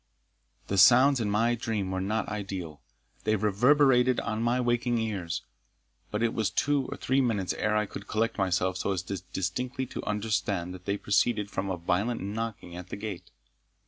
The sounds in my dream were not ideal. They reverberated on my waking ears, but it was two or three minutes ere I could collect myself so as distinctly to understand that they proceeded from a violent knocking at the gate.